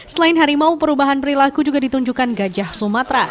selain harimau perubahan perilaku juga ditunjukkan gajah sumatera